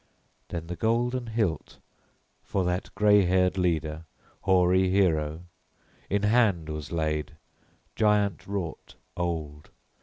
Then the golden hilt, for that gray haired leader, hoary hero, in hand was laid, giant wrought, old.